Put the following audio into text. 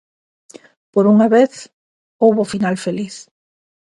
Por unha vez, houbo final feliz.